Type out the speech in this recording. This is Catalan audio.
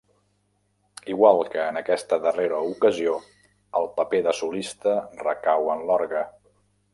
Igual que en aquesta darrera ocasió el paper de solista recau en l'orgue.